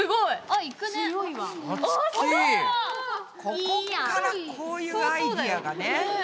ここからこういうアイデアがね。